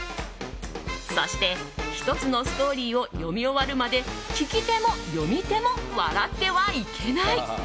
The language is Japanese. そして、１つのストーリーを読み終わるまで聞き手も、読み手も笑ってはいけない。